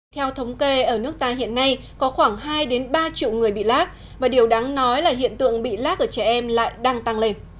theo thống kê ở nước ta hiện nay có khoảng hai ba triệu người bị lác và điều đáng nói là hiện tượng bị lác ở trẻ em lại đang tăng lên